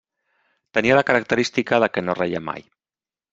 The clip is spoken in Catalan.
Tenia la característica de què no reia mai.